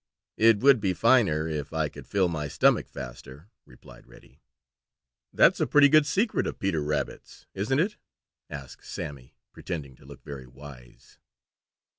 "It would be finer, if I could fill my stomach faster," replied Reddy. "That's a pretty good secret of Peter Rabbit's, isn't it?" asked Sammy, pretending to look very wise.